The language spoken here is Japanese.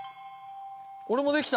俺もできた。